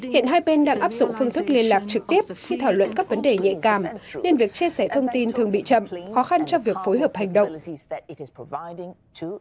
hiện hai bên đang áp dụng phương thức liên lạc trực tiếp khi thảo luận các vấn đề nhạy cảm nên việc chia sẻ thông tin thường bị chậm khó khăn cho việc phối hợp hành động